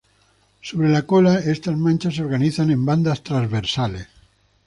Sobre la cola estas manchas se organizan en bandas transversales.